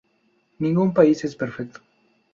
Ningún país es perfecto.